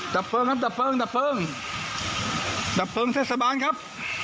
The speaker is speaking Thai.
ดับเพลิงครับดับเพลิงดับเพลิงดับเพลิงเทศบาลครับ